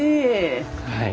はい。